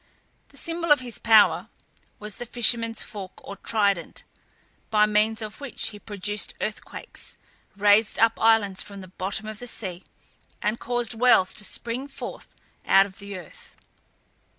The symbol of his power was the fisherman's fork or trident, by means of which he produced earthquakes, raised up islands from the bottom of the sea, and caused wells to spring forth out of the earth.